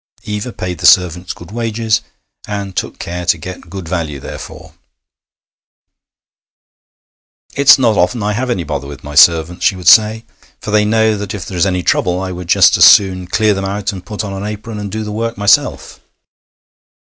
Eva paid the servants good wages, and took care to get good value therefor. 'It's not often I have any bother with my servants,' she would say, 'for they know that if there is any trouble I would just as soon clear them out and put on an apron and do the work myself.'